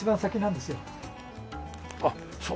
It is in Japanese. あっそう。